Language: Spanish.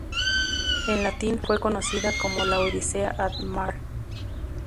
En latín fue conocida como "Laodicea ad Mare".